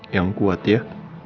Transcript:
yang kuat ya